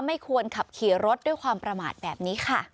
ไม่ควรขับขี่รถด้วยความประมาทแบบนี้ค่ะ